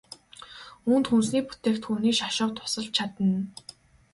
Үүнд хүнсний бүтээгдэхүүний шошго тусалж чадна.